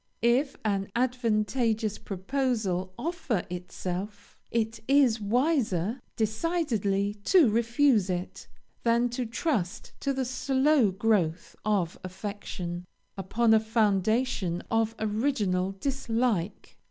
If an advantageous proposal offer itself, it is wiser decidedly to refuse it, than to trust to the slow growth of affection, upon a foundation of original dislike.